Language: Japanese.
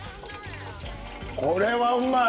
これはうまい！